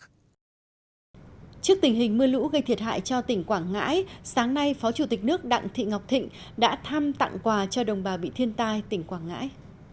trước tình hình mưa lũ gây thiệt hại cho tỉnh quảng ngãi sáng nay phó chủ tịch nước đặng thị ngọc thịnh đã thăm tặng quà cho đồng bào bị thiên tai tỉnh quảng ngãi